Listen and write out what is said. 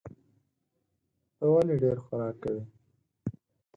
ته ولي ډېر خوراک کوې؟